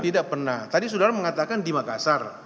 tidak pernah tadi saudara mengatakan di makassar